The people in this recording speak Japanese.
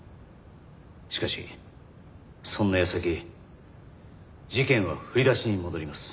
しかしそんな矢先事件は振り出しに戻ります。